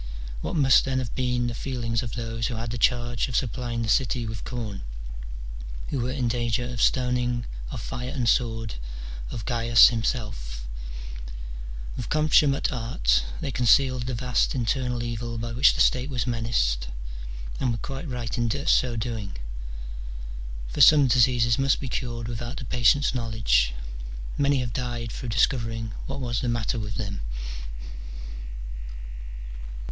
What must then have been the feelings of those who had the charge of supplying the city with corn, who were in danger of stoning, of fire and sword, of Gains himself ? "With consummate art they concealed the vast internal evil by which the state was menaced, and were quite right in so doing ; for some diseases must be cured without the patient's knowledge : many have died through discovering what was the matter with them.